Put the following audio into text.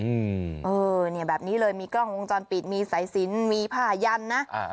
อืมเออเนี่ยแบบนี้เลยมีกล้องวงจรปิดมีสายสินมีผ้ายันนะอ่า